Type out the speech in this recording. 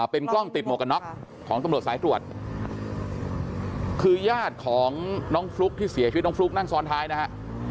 เป็นกล้องติดหมวกกันน็อกของตำรวจสายตรวจคือญาติของน้องฟลุ๊กที่เสียชีวิตน้องฟลุ๊กนั่งซ้อนท้ายนะฮะ